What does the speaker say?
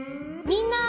みんな！